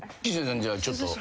じゃあちょっと。